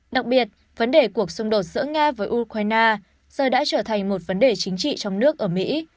đặc biệt vấn đề cuộc xung đột giữa nga với ukraine giờ đã trở thành một vấn đề chính trị trong nước ở mỹ